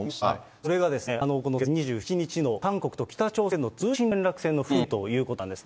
それがですね、この先月２７日の韓国と北朝鮮の通信連絡線の復元ということなんですね。